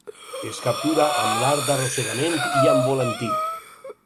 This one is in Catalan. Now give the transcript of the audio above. Es captura amb l'art d'arrossegament i amb volantí.